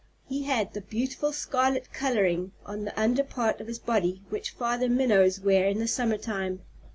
He had the beautiful scarlet coloring on the under part of his body which Father Minnows wear in the summer time.